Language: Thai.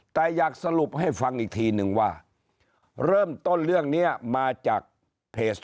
แต่อยากสรุปให้ฟังอีกทีนึงว่าเริ่มต้นเรื่องนี้มาจากเพจ